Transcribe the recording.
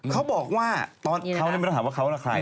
เขาบอกว่ามันได้ถามว่าเขาหรอใคร